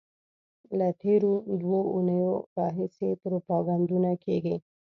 له تېرو دوو اونیو راهیسې پروپاګندونه کېږي.